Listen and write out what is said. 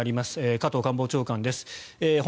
加藤官房長官です。